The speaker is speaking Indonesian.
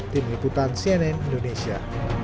tim liputan cnn indonesia